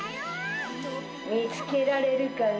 「みつけられるかな？」。